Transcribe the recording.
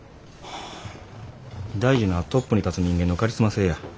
大事なんはトップに立つ人間のカリスマ性や。